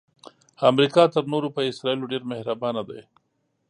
امریکا تر نورو په اسراییلو ډیره مهربانه ده.